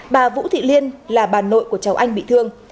bà vũ thị liên là bà nội của cháu anh bị thương